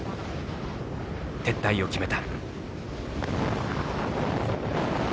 撤退を決めた。